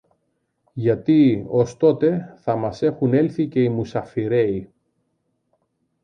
Γιατί, ως τότε, θα μας έχουν έλθει και οι μουσαφιρέοι